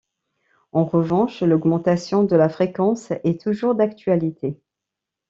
En revanche, l'augmentation de la fréquence est toujours d'actualité.